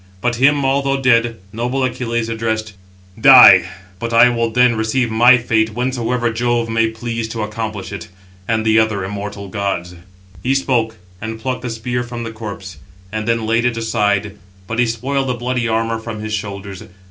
But him, although dead, noble Achilles addressed: "Die: but I will then receive my fate whensoever Jove may please to accomplish it, 711 and the other immortal gods." He spoke, and plucked the spear from the corpse; and then laid it aside, but he spoiled the bloody armour from his shoulders.